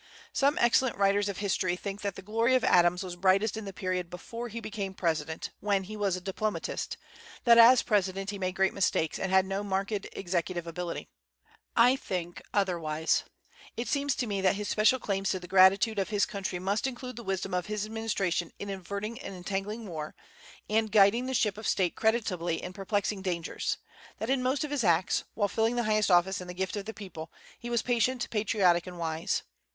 Some excellent writers of history think that the glory of Adams was brightest in the period before he became president, when he was a diplomatist, that as president he made great mistakes, and had no marked executive ability. I think otherwise. It seems to me that his special claims to the gratitude of his country must include the wisdom of his administration in averting an entangling war, and guiding the ship of state creditably in perplexing dangers; that in most of his acts, while filling the highest office in the gift of the people, he was patient, patriotic, and wise.